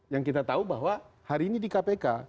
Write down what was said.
yang kita tahu bahwa hari ini di kpk